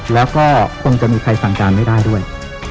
แล้วก็คงจะมีใครสั่งการไม่ได้ด้วย